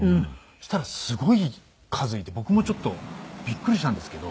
そしたらすごい数いて僕もちょっとビックリしたんですけど。